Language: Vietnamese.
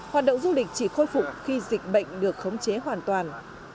hoạt động du lịch chỉ khôi phục khi dịch bệnh được khống chế hoàn toàn